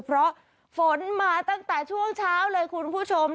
เพราะฝนมาตั้งแต่ช่วงเช้าเลยคุณผู้ชม